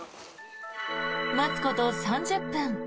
待つこと３０分。